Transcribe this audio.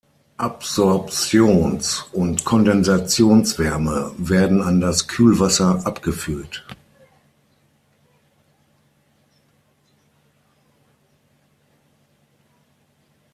Absorptions- und Kondensationswärme werden an das Kühlwasser abgeführt.